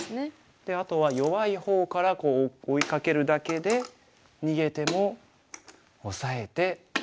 であとは弱い方から追いかけるだけで逃げてもオサえて。